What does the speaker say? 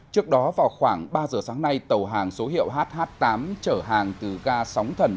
trước đó vào khoảng ba giờ sáng nay tàu hàng số hiệu hh tám trở hàng từ ga sóng thần